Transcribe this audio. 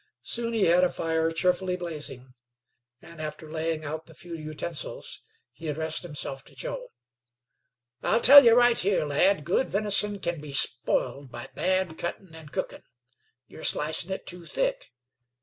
Soon he had a fire cheerfully blazing, and after laying out the few utensils, he addressed himself to Joe: "I'll tell ye right here, lad, good venison kin be spoiled by bad cuttin' and cookin'. You're slicin' it too thick.